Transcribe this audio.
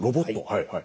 はいはい。